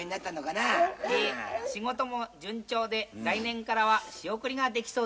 「仕事も順調で来年からは仕送りができそうです」